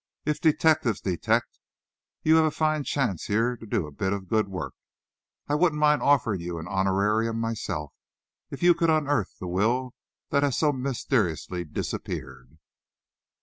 If detectives detect, you have a fine chance here to do a bit of good work. I wouldn't mind offering you an honorarium myself, if you could unearth the will that has so mysteriously disappeared."